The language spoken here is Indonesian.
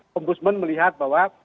pembusman melihat bahwa